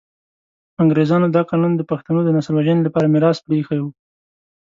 انګریزانو دا قانون د پښتنو د نسل وژنې لپاره میراث پرې ایښی وو.